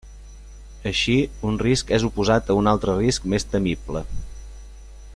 Així, un risc és oposat a un altre risc més temible.